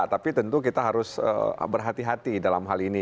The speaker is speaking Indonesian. tapi tentu kita harus berhati hati dalam hal ini